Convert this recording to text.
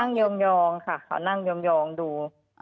ยองค่ะเขานั่งยองดู